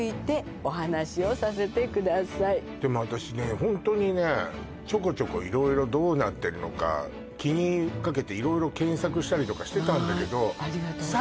ホントにねちょこちょこ色々どうなってるのか気にかけて色々検索したりとかしてたんだけどまあありがとうございます